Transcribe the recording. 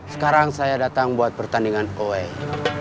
sekarang saya datang buat pertandingan koe